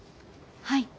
はい。